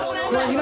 今］